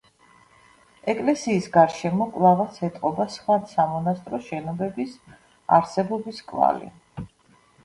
ეკლესიის გარშემო, კვლავაც ეტყობა სხვა სამონასტრო შენობების არსებობის კვალი.